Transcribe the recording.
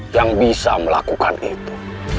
yang bisa melakukan itu